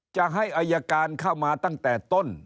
จะให้อายการเข้ามาตั้งแต่ต้น